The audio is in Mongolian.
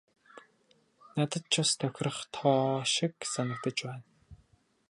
Надад ч бас тохирох тоо шиг санагдаж байна.